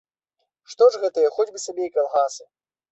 Што ж гэтыя, хоць бы сабе і калгасы.